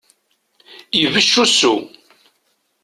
Ibecc usu.